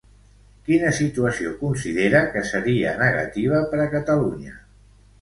Quina situació considera que seria negativa per a Catalunya?